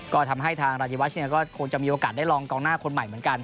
ก็ทำให้ทางรายวัชเนี่ยก็คงจะมีโอกาสได้ลองกองหน้าคนใหม่เหมือนกัน